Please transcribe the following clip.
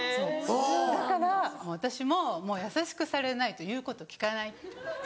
だから私も優しくされないと言うこと聞かないって言って。